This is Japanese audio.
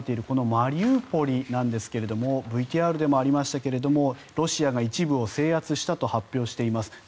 このマリウポリですがＶＴＲでもありましたがロシアが一部を制圧したと発表しています。